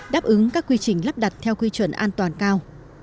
đáp ứng các quy trình lắp đặt theo quy chuẩn an toàn cao